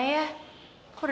ki laura kemana ya